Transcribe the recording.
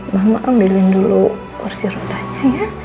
mama ambilin dulu kursi rupanya